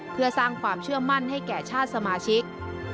เพื่อสร้างความเชื่อมั่นให้แก่ชาติสมาชิก